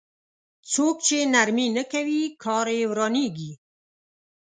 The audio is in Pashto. څوک چې نرمي نه کوي کار يې ورانېږي.